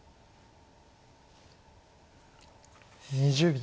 ２０秒。